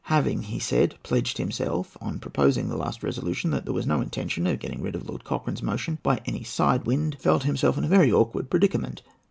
Having, he said, pledged himself on proposing the last resolution that there was no intention of getting rid of Lord Cochrane's motion by any side wind, he felt himself in a very awkward predicament.